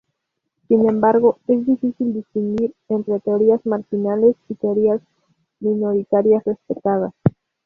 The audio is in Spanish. Sin embargo, es difícil distinguir entre teorías marginales y teorías minoritarias respetadas.